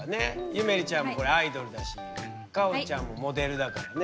ゆめりちゃんもこれアイドルだしかおちゃんもモデルだからね。